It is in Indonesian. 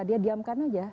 dia diamkan saja